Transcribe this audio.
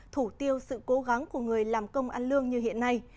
thủ tiêu sự cố gắng của người làm công ăn lương như hiện nay